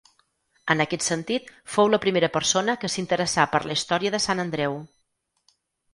En aquest sentit fou la primera persona que s'interessà per la història de Sant Andreu.